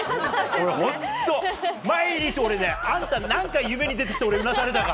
本当、毎日俺、あんたが何回夢に出てきてうなされたか。